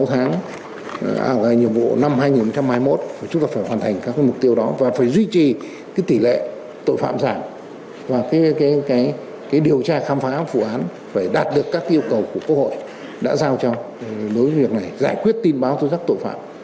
phải hoàn thành các mục tiêu đó và phải duy trì tỷ lệ tội phạm giảm và điều tra khám phá phụ án phải đạt được các yêu cầu của quốc hội đã giao cho đối với việc này giải quyết tin báo tổ chức tội phạm